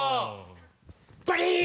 バリーン！